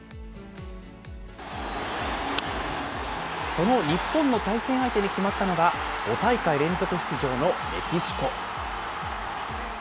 その日本の対戦相手に決まったのが、５大会連続出場のメキシコ。